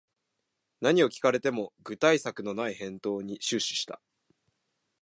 何を聞かれても具体策のない返答に終始した